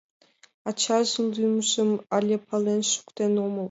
Ачажын лӱмжым але пален шуктен омыл.